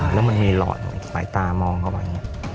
แล้วมันมีหลอดใส่ตามองเขาอะไรอย่างนี้